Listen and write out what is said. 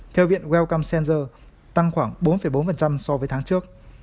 theo viện wellcome center tăng khoảng bốn bốn so với tháng trước